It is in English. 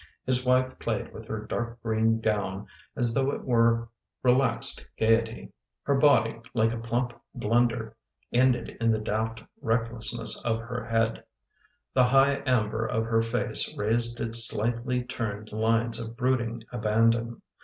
His wife played with her dark green gown as though it were re [9o] laxed gaiety. Her body, like a plump blunder, ended in the deft recklessness of her head; the higfr amber of her face raised its slightly turned lines of brooding aban don.